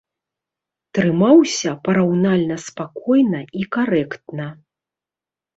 Трымаўся параўнальна спакойна і карэктна.